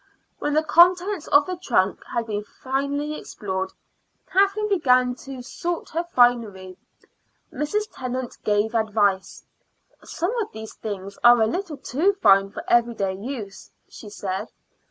When the contents of the trunk had been finally explored, Kathleen began to sort her finery. Mrs. Tennant gave advice. "Some of these things are a little too fine for everyday use," she said.